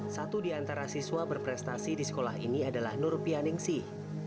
satu di antara siswa berprestasi di sekolah ini adalah nur pianingsih